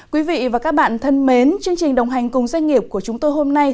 quý vị và các bạn thân mến chương trình đồng hành cùng doanh nghiệp của chúng tôi hôm nay